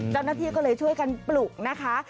และก็เลยช่วยการปลุกนะคะ